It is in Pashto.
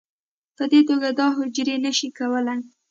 په دې توګه دا حجرې نه شي کولی